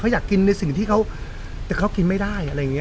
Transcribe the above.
เขาอยากกินในสิ่งที่เขากินไม่ได้อะไรอย่างนี้